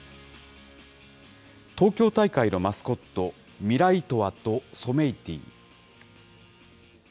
東京大会のマスコット、ミライトワとソメイティ。